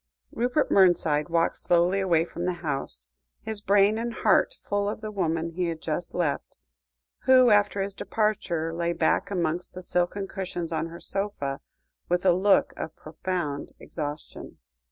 Rupert Mernside walked slowly away from the house, his brain and heart full of the woman he had just left, who, after his departure, lay back amongst the silken cushions on her sofa, with a look of profound exhaustion.